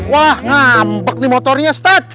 wah ngambek nih motornya stat